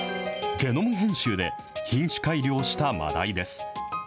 ゲノム編集で品種改良したマダイです。